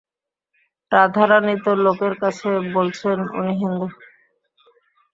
রাধারানী তো লোকের কাছে বলছেন উনি হিন্দু।